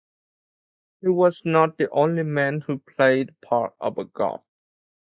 He was not the only man who played the part of a god.